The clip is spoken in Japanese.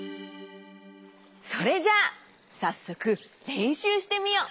それじゃあさっそくれんしゅうしてみよう。